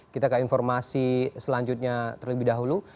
kita ke informasi selanjutnya terlebih dahulu